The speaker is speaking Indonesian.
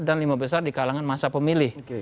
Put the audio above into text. dan lima besar di kalangan masa pemilih